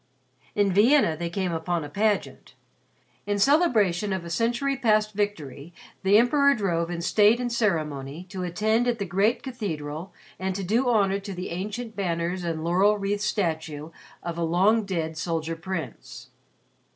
In Vienna they came upon a pageant. In celebration of a century past victory the Emperor drove in state and ceremony to attend at the great cathedral and to do honor to the ancient banners and laurel wreathed statue of a long dead soldier prince.